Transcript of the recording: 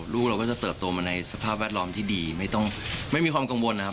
ลูกเราก็จะเติบโตมาในสภาพแวดล้อมที่ดีไม่ต้องไม่มีความกังวลนะครับ